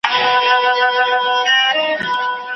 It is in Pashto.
چي د قلم ژبه دي وايی لا یاغي سندري